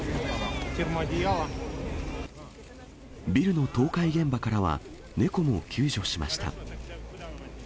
ビルの倒壊現場からは、猫も救助しました。